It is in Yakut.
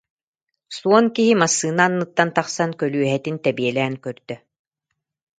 Суон киһи массыына анныттан тахсан көлүөһэтин тэбиэлээн көрдө